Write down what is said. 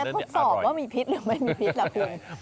แล้วใครจะทดสอบว่ามีพิษหรือไม่มีพิษล่ะคุณ